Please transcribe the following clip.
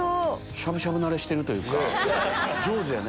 しゃぶしゃぶ慣れしてるというか上手やね。